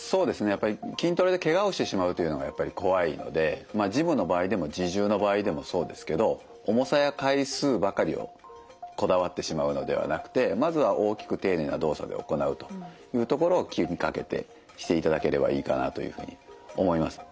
やっぱり筋トレでけがをしてしまうというのがやっぱり怖いのでまあジムの場合でも自重の場合でもそうですけど重さや回数ばかりをこだわってしまうのではなくてまずは大きく丁寧な動作で行うというところを気にかけてしていただければいいかなというふうに思います。